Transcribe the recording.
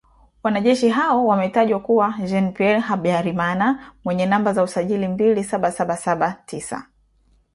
Wanajeshi hao wametajwa kuwa Jean Pierre Habyarimana mwenye namba za usajili mbili saba saba saba tisa